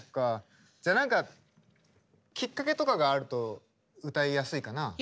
じゃあ何かきっかけとかがあると歌いやすいかな？